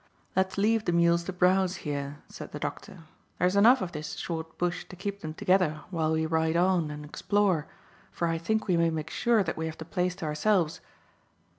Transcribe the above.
"Let's leave the mules to browse here," said the doctor; "there's enough of this short bush to keep them together while we ride on and explore, for I think we may make sure that we have the place to ourselves."